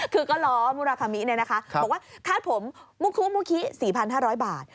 คือกะล้อมุรากามิเนี่ยนะคะบอกว่าคาดผมมุคุมุคิ๔๕๐๐บาท